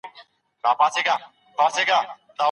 د مرکې څخه مخکي د خاطب پېژندل لازمي دي.